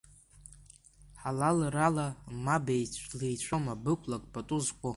Ҳалалрала ма блеицәоума, бықәлак пату зқәу?!